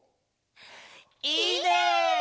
いいね！